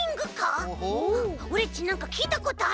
オレっちなんかきいたことある。